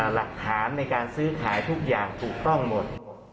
หลักฐานในการซื้อขายทุกอย่างถูกต้องหมด